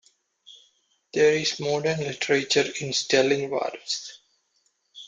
There is modern literature in Stellingwarfs.